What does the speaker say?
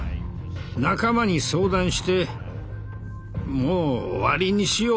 仲間に相談して「もう終わりにしよう。